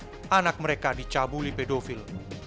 orang tua merelakan anak mereka dicabuli pedofil